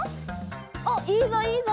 おっいいぞいいぞ！